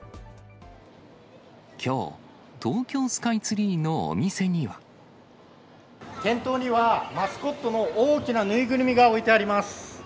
きょう、店頭には、マスコットの大きな縫いぐるみが置いてあります。